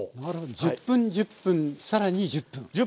１０分１０分更に１０分。